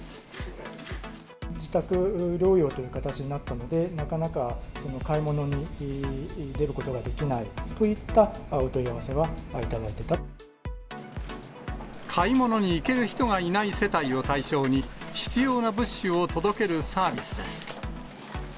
自宅療養という形になったので、なかなか買い物に出ることができないといったお問い合わせは頂い買い物に行ける人がいない世帯を対象に、必要な物資を届けるサービスです。